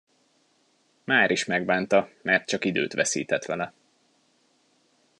Máris megbánta, mert csak időt veszített vele.